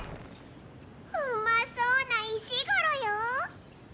ウマそうな石ゴロよ！